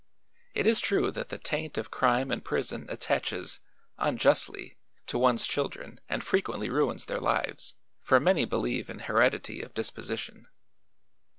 It is true that the taint of crime and prison attaches unjustly to one's children and frequently ruins their lives, for many believe in heredity of disposition.